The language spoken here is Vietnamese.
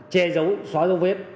che dấu xóa dấu vết